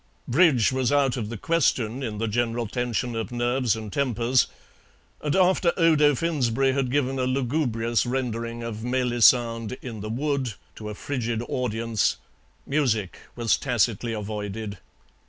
Bridge was out of the question in the general tension of nerves and tempers, and after Odo Finsberry had given a lugubrious rendering of "Melisande in the Wood" to a frigid audience, music was tacitly avoided.